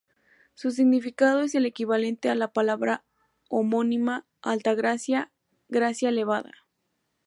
Su significado es el equivalente a la palabra homónima, "alta gracia, gracia elevada".